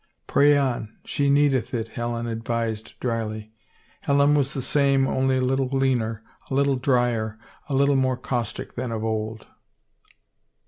" Pray on — she needeth it," Helen advised dryly. Helen was the same, only a little leaner, a little dryer, a little more caustic than of old.